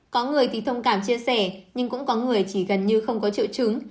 có người thì thông cảm chia sẻ nhưng cũng có người chỉ gần như không có triệu chứng